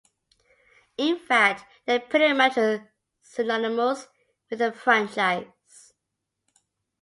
In fact, they're pretty much synonymous with the franchise.